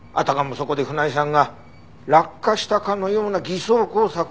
そこで船井さんが落下したかのような偽装工作をした。